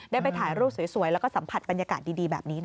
ได้ไปถ่ายรูปสวยแล้วก็สัมผัสบรรยากาศดีแบบนี้